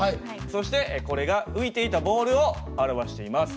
そしてこれが浮いていたボールを表しています。